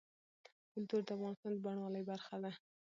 کلتور د افغانستان د بڼوالۍ برخه ده.